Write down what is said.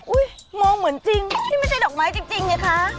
อุ๊ยมองเหมือนจริงนี่ไม่ใช่ดอกไม้จริงเนี่ยค่ะ